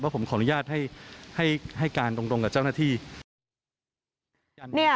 ผมขออนุญาตให้การตรงกับเจ้าหน้าที่